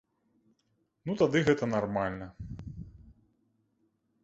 Ну тады гэта нармальна.